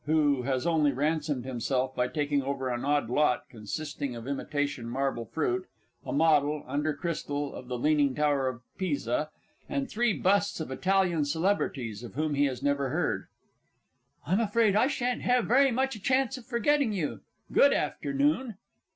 (_who has only ransomed himself by taking over an odd lot, consisting of imitation marble fruit, a model, under crystal, of the Leaning Tower of Pisa, and three busts of Italian celebrities of whom he has never heard_). I'm afraid I sh'an't have very much chance of forgetting you. Good afternoon!